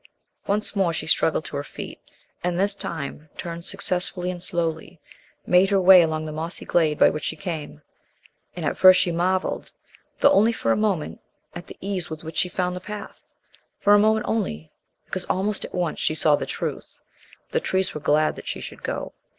Once more she struggled to her feet, and this time turned successfully and slowly made her way along the mossy glade by which she came. And at first she marveled, though only for a moment, at the ease with which she found the path. For a moment only, because almost at once she saw the truth. The trees were glad that she should go.